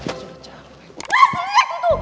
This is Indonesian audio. mas liat itu